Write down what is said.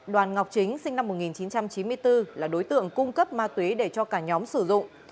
đoàn ngọc chính sinh năm một nghìn chín trăm chín mươi bốn là đối tượng cung cấp ma túy để cho cả nhóm sử dụng